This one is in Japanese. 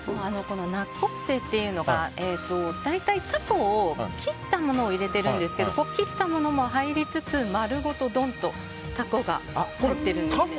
ナッコプセというのが大体、タコを切ったものを入れているんですけど切ったものも入りつつ丸ごと、ドンとタコが入ってるんですね。